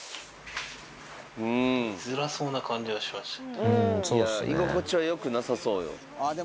いづらそうな感じはしました。